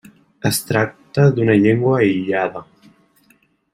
Es tracta d'una llengua aïllada.